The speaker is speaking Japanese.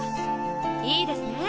いいですね？